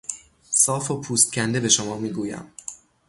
صاف و پوست کنده به شما میگویم...